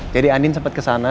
jadi andin sempet kesana